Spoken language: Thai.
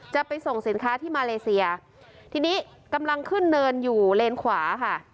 จะไปส่งสินค้าที่มาเลเซียทีนี้กำลังขึ้นเนินอยู่เลนขวาค่ะ